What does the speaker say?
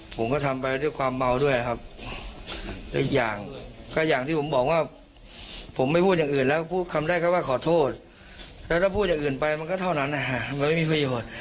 ผมก็ทำไปด้วยความเมาด้วยครับและอีกอย่างก็อย่างที่ผมบอกว่าผมไม่พูดอย่างอื่นแล้วพูดคำแรกก็ว่าขอโทษแล้วถ้าพูดอย่างอื่นไปมันก็เท่านั้นนะฮะมันไม่มีประโยชน์